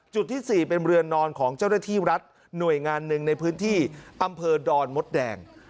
ที่๔เป็นเรือนนอนของเจ้าหน้าที่รัฐหน่วยงานหนึ่งในพื้นที่อำเภอดอนมดแดง